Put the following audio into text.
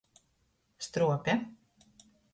Struope.